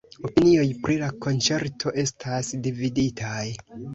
Opinioj pri la konĉerto estas dividitaj.